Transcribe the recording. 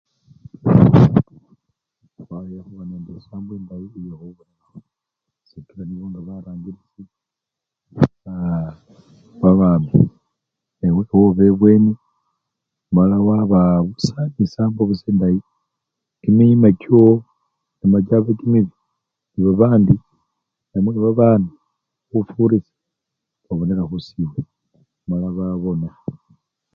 Wahile huba nende esambo endayi yehubonelaho sikila nibo nga barangilisi aaa babami ewewe oba ebweni amala waba busa nesambo busa endayi, kimima kyowonono nono kyaba kimibii, nebabandi namwe babami hufurisha babonela hwisiwe mala baba nekimima kimibii